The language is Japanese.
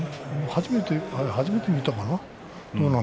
初めて見たかな？